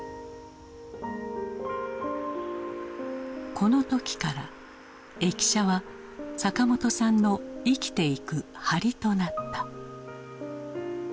この時から駅舎は坂本さんの生きていくハリとなった。